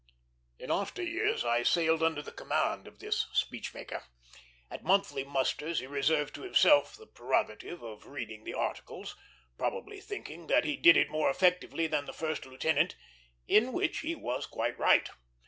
In after years I sailed under the command of this speechmaker. At monthly musters he reserved to himself the prerogative of reading the Articles, probably thinking that he did it more effectively than the first lieutenant; in which he was quite right.